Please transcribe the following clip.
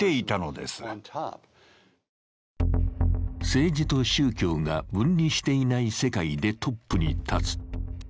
政治と宗教が分離していない世界でトップに立つ。